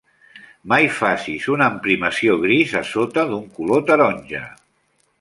Mai facis una emprimació gris a sota d'un color taronja!